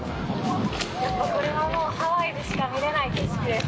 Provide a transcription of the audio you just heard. これはもうハワイでしか見れない景色です。